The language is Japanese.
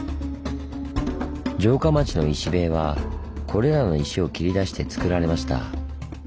城下町の石塀はこれらの石を切り出してつくられました。